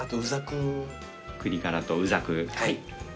くりからとうざく。